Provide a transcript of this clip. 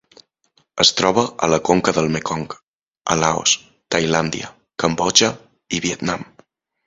Es troba a la conca del Mekong a Laos, Tailàndia, Cambodja i Vietnam.